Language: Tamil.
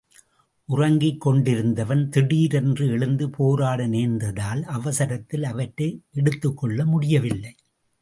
உறங்கிக் கொண்டிருந்தவன் திடீரென்று எழுந்து போராட நேர்ந்ததால், அவசரத்தில் அவற்றை எடுத்துக்கொள்ள முடியவில்லை.